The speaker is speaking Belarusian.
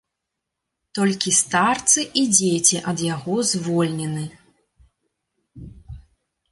Толькі старцы і дзеці ад яго звольнены.